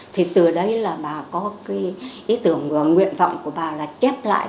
thì từ đấy là bà có cái ý tưởng và nguyện vọng của bà là chép lại